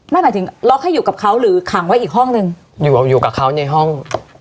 หมายถึงล็อกให้อยู่กับเขาหรือขังไว้อีกห้องหนึ่งอยู่กับเขาในห้อง